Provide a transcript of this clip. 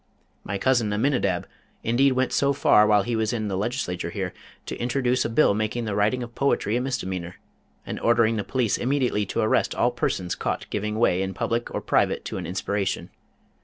My cousin Aminidab indeed went so far while he was in the Legislature here, to introduce a bill making the writing of poetry a misdemeanor, and ordering the police immediately to arrest all persons caught giving way in public or private to an inspiration.